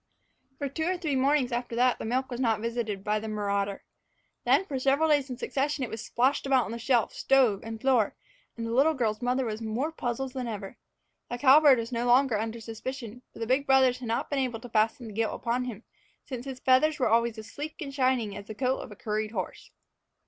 For two or three mornings after that the milk was not visited by the marauder. Then for several days in succession it was splashed about on shelf, stove, and floor, and the little girl's mother was more puzzled than ever. The cowbird was no longer under suspicion, for the big brothers had not been able to fasten the guilt upon him, since his feathers were always as sleek and shining as the coat of a curried horse.